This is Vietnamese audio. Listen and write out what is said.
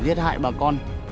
giết hại bà con